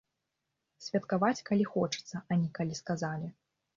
Святкаваць, калі хочацца, а не калі сказалі.